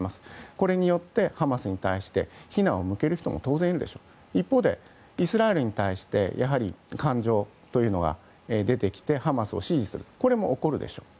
これによってハマスに対して非難を向ける人も当然いるでしょうし一方でイスラエルに対して感情というのは出てきてハマスを支持するというのも起こるでしょう。